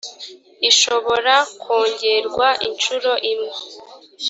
ishobora kwongerwa inshuro imwe